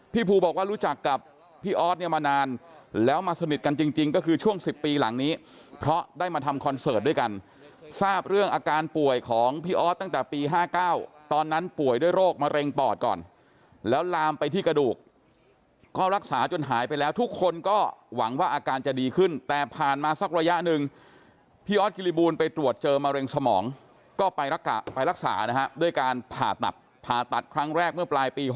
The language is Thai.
พี่ภูบอกว่ารู้จักกับพี่ออสมานานแล้วมาสนิทกันจริงก็คือช่วง๑๐ปีหลังนี้เพราะได้มาทำคอนเสิร์ตด้วยกันทราบเรื่องอาการป่วยของพี่ออสตั้งแต่ปี๕๙ตอนนั้นป่วยด้วยโรคมะเร็งปอดก่อนแล้วลามไปที่กระดูกก็รักษาจนหายไปแล้วทุกคนก็หวังว่าอาการจะดีขึ้นแต่ผ่านมาสักระยะนึงพี่ออสเคลีบูมไปตรวจเ